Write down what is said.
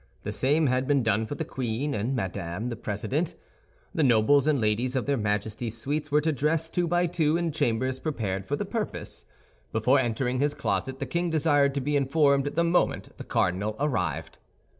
The same had been done for the queen and Madame the President. The nobles and ladies of their Majesties' suites were to dress, two by two, in chambers prepared for the purpose. Before entering his closet the king desired to be informed the moment the cardinal arrived.